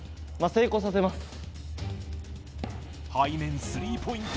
背面スリーポイント